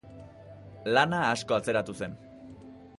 Lana asko atzeratu zen.